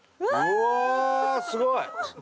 うわすごい！